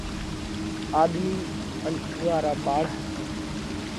آۮمِي ان اُوئون را ٻاۯ هتا۔